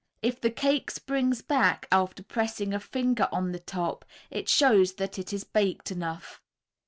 If the cake springs back after pressing a finger on the top, it shows that it is baked enough.